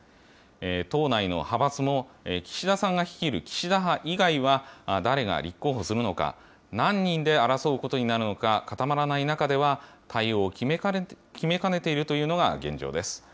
党内の派閥も、岸田さんが率いる岸田派以外は、誰が立候補するのか、何人で争うことになるのか、固まらない中では、対応を決めかねているというのが現状です。